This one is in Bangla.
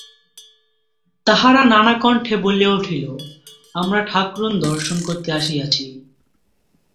তাহারা নানা কণ্ঠে বলিয়া উঠিল, আমরা ঠাকরুন দর্শন করতে আসিয়াছি।